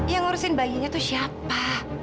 ya ngurusin bayinya tuh siapa